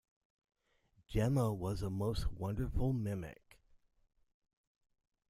Jemma was a most wonderful mimic.